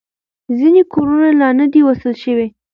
ځینې کورونه لا نه دي وصل شوي.